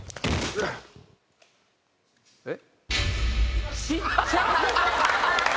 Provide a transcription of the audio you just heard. えっ？